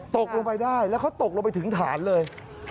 ตกลงไปได้แล้วเขาตกลงไปถึงฐานเลย